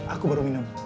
aku baru minum